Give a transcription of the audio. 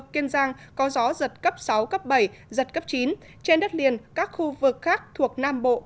kiên giang có gió giật cấp sáu cấp bảy giật cấp chín trên đất liền các khu vực khác thuộc nam bộ